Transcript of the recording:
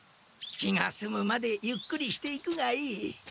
気がすむまでゆっくりしていくがいい。